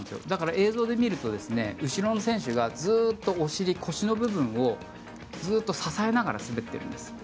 だから映像で見ると後ろの選手がずっとお尻、腰の部分をずっと支えながら滑っているんです。